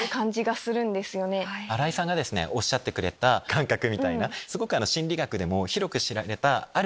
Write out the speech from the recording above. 新井さんがおっしゃってくれた感覚みたいな。